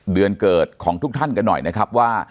เดือนเกิดของทุกท่านกันหน่อยนะครับว่า